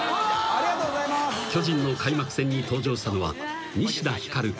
［巨人の開幕戦に登場したのは西田ひかる。